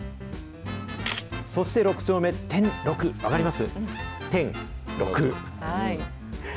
そして６丁目、天六、分かります？